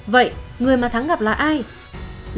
vậy người mà thắng gặp lại là lý văn thắng